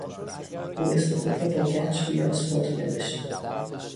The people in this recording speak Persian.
او اسم خود را با گچ روی آسفالت نوشت.